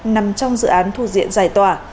nằm trong dự án thu diện giải tỏa